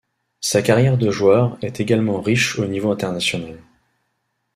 Sa carrière de joueur est également riche au niveau international.